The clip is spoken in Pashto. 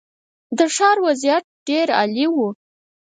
د ښار وضعیت ډېر عالي و.